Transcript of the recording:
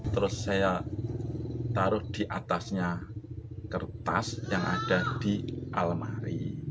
terus saya taruh di atasnya kertas yang ada di almari